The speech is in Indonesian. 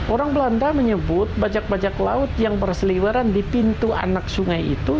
orang belanda menyebut bajak bajak laut yang berseliweran di pintu anak sungai itu